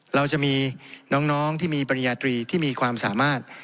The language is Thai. เราจะมีน้องที่มีปริญญาตรีที่มีความสามารถ